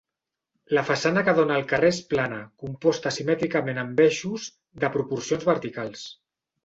La façana que dóna al carrer és plana, composta simètricament amb eixos de proporcions verticals.